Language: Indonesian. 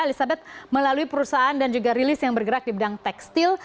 elizabeth melalui perusahaan dan juga rilis yang bergerak di bidang tekstil